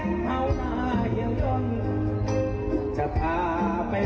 โธแมนกลุบไปกำไหวคัดมันนะหรอกแสนเผง